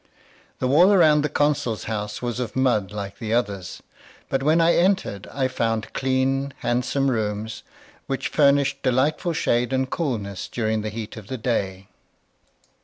The wall around the consul's house was of mud like the others; but when I entered I found clean, handsome rooms, which furnished delightful shade and coolness during the heat of the day.